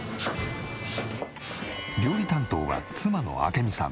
料理担当は妻の明美さん。